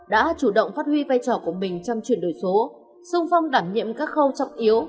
đã chủ động phát huy vai trò của mình trong chuyển đổi số sung phong đảm nhiệm các khâu trọng yếu